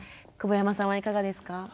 久保山さんはいかがですか？